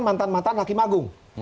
mantan mantan hakim agung